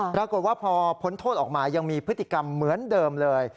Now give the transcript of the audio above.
ปรากฏว่าพอพ้นโทษออกมายังมีพฤติกรรมเหมือนเดิมเลย